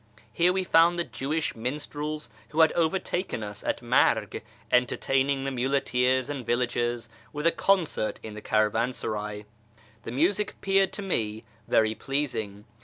Here we found the Jewish minstrels who had overtaken us at Marg entertaining the muleteers and villagers with a concert ' in the caravansaray. The music appeared to me very pleasing.